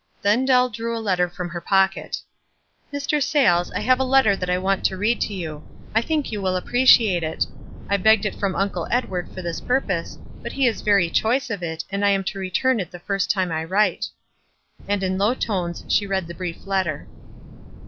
Then Dell drew a letter from her pocket. " Mr. Sayles, I have a letter that I want to read to you. I think you will appreciate it. I begged it from Uncle Edward for this purpose, but he is very choice of it, and I am to return it the first time I write." And in low tones she read the brief letter.